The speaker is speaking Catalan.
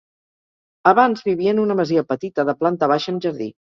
Abans vivia en una masia petita de planta baixa amb jardí.